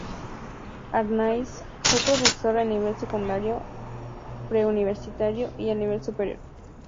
Arnáiz fue profesor a nivel secundario, preuniversitario y a nivel superior.